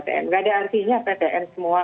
tidak ada artinya ptn semua